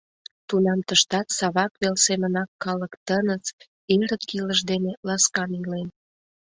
Тунам тыштат Савак вел семынак калык тыныс, эрык илыш дене ласкан илен.